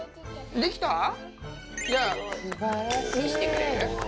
できた？